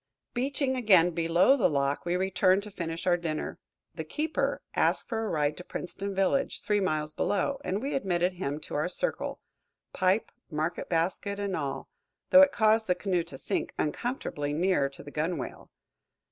Beaching again, below the lock, we returned to finish our dinner. The keeper asked for a ride to Princeton village, three miles below, and we admitted him to our circle, pipe, market basket and all, though it caused the canoe to sink uncomfortably near to the gunwale.